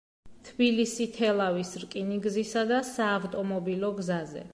თბილისი–თელავის რკინიგზისა და საავტომობილო გზაზე.